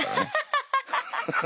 ハハハハッ！